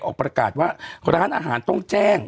ออกประกาศว่าร้านอาหารต้องแจ้ง